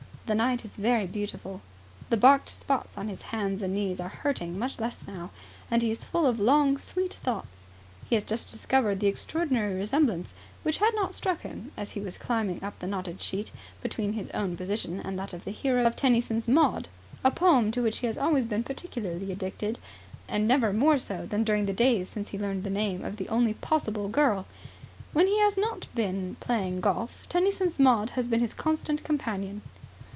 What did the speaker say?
The night is very beautiful; the barked spots on his hands and knees are hurting much less now; and he is full of long, sweet thoughts. He has just discovered the extraordinary resemblance, which had not struck him as he was climbing up the knotted sheet, between his own position and that of the hero of Tennyson's Maud, a poem to which he has always been particularly addicted and never more so than during the days since he learned the name of the only possible girl. When he has not been playing golf, Tennyson's Maud has been his constant companion.